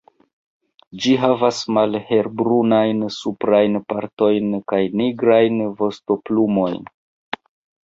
Ĝi havas malhelbrunajn suprajn partojn kaj nigrajn vostoplumojn.